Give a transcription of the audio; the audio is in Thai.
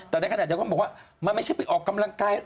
แต่ในขณะเดียวกันก็บอกว่ามันไม่ใช่ไปออกกำลังกาย